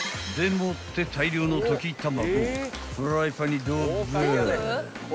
もって大量の溶き卵をフライパンにドバー］